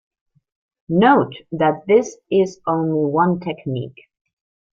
Note that this is only one technique.